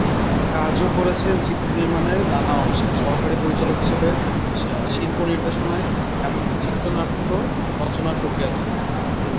কাজও করেছেন চিত্রনির্মাণের নানা অংশে—সহকারী পরিচালক হিসেবে, শিল্পনির্দেশনায়, এমনকি চিত্রনাট্য রচনার প্রক্রিয়াতেও।